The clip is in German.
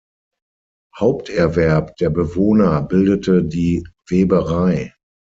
Haupterwerb der Bewohner bildete die Weberei.